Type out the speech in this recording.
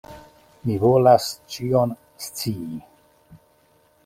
Mi volas ĉion scii!